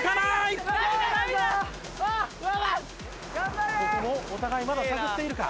ここもお互いまだ探っているか？